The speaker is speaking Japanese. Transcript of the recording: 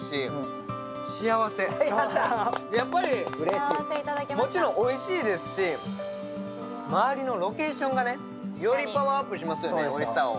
やっぱり、もちろんおいしいですし、周りのロケーションがよりパワーアップしますよね、おいしさを。